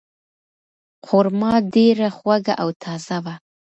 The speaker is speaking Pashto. خورما ډیره خوږه او تازه وه.